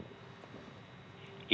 ya mk itu